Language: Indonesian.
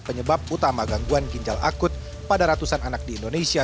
penyebab utama gangguan ginjal akut pada ratusan anak di indonesia